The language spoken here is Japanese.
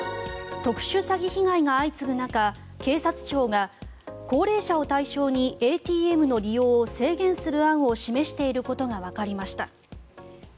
特殊詐欺被害が相次ぐ中警察庁が高齢者を対象にＡＴＭの利用を制限する案を示していることがわかりました。